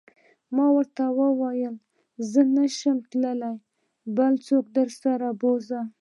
ما ورته وویل: نه، زه نه شم تلای، بل څوک درسره و بوزه.